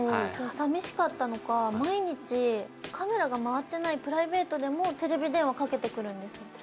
さみしかったのか、毎日カメラが回っていないプライベートでもテレビ電話をかけてくるんです。